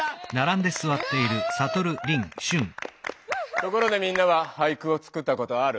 ところでみんなは俳句をつくったことある？